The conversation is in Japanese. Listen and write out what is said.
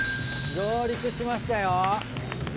上陸しました！